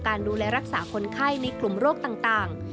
ดูแลรักษาคนไข้ในกลุ่มโรคต่าง